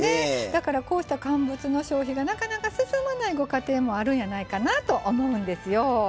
だから、こうした乾物の消費がなかなか進まないご家庭もあるんやないかなと思うんですよ。